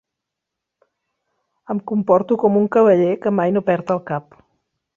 Em comporto com un cavaller que mai no perd el cap.